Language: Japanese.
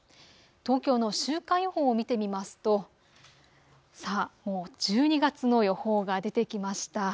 東京の週間予報を見てみますともう１２月の予報が出てきました。